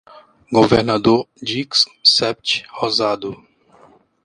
Governador Dix-Sept Rosado